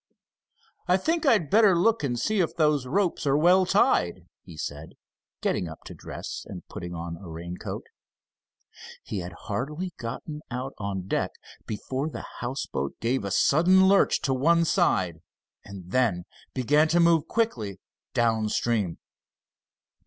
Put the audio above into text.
"I think I'd better look and see if those ropes are well tied," he said, getting up to dress, and putting on a raincoat. He had hardly gotten out on deck, before the houseboat gave a sudden lurch to one side, and then began to move quickly down stream.